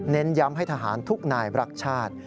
ย้ำให้ทหารทุกนายรักชาติ